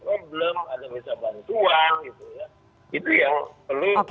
ada yang memiliki masalah ada yang bisa bantuan